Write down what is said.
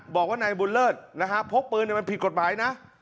บอกว่านายบุญเลิศนะฮะพกปืนมันผิดกฎหมายนะ